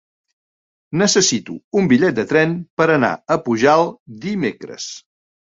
Necessito un bitllet de tren per anar a Pujalt dimecres.